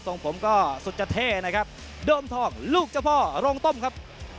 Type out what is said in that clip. ผมก็สุดจะเท่นะครับโดมทองลูกเจ้าพ่อโรงต้มครับ